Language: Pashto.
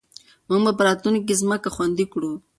موږ به راتلونکې کې ځمکه خوندي کړو.